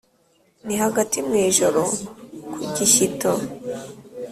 nihagati mu ijoro kugishyito,